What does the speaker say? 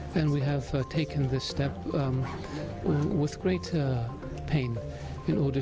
dan kita telah melakukan langkah ini dengan penyakit besar